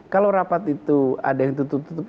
kalau rapat itu ada yang tutup tutupi